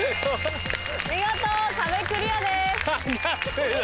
見事壁クリアです。